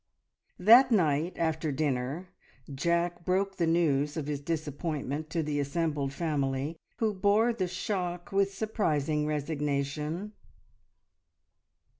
That night after dinner Jack broke the news of his disappointment to the assembled family, who bore the shock with surprising resignation.